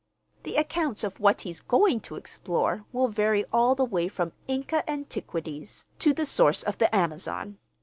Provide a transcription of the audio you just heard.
The accounts of what he's going to explore will vary all the way from Inca antiquities to the source of the Amazon.